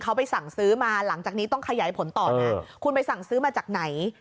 เขาไปสั่งซื้อมาหลังจากนี้ต้องขยายผลต่อนะคุณไปสั่งซื้อมาจากไหน